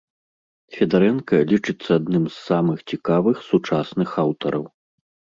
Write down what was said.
Федарэнка лічыцца адным з самых цікавых сучасных аўтараў.